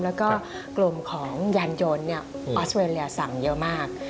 แล้วก็กลุ่มของยานยนต์ออสเวรียสั่งเยอะมาก